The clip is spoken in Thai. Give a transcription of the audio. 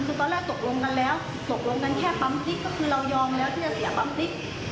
คือตอนแรกตกลงกันแล้วตกลงกันแค่ปั๊มพริกก็คือเรายอมแล้วที่จะเสียปั๊มพริก